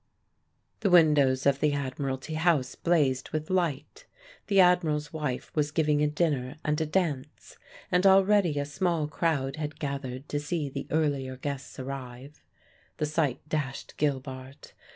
The windows of the Admiralty House blazed with light. The Admiral's wife was giving a dinner and a dance, and already a small crowd had gathered to see the earlier guests arrive. The sight dashed Gilbart.